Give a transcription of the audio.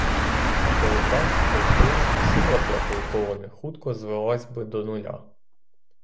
А коли так, то вплив і сила п'ятої колони хутко звелась би до нуля.